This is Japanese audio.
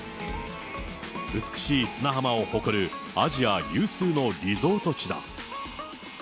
美しい砂浜を誇る、アジア有数のリゾート地だ。